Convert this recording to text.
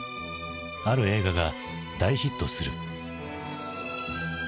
ある映画が大ヒットする。